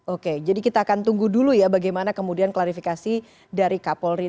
oke jadi kita akan tunggu dulu ya bagaimana kemudian klarifikasi dari kapolri